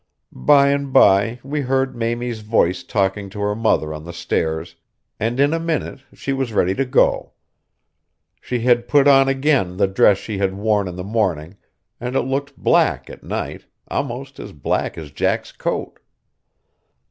By and by we heard Mamie's voice talking to her mother on the stairs, and in a minute she was ready to go. She had put on again the dress she had worn in the morning, and it looked black at night, almost as black as Jack's coat.